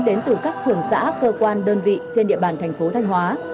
đến từ các phường xã cơ quan đơn vị trên địa bàn tp thanh hóa